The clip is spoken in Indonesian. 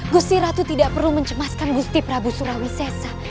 gusti ratu tidak perlu mencemaskan gusti prabu surawisesa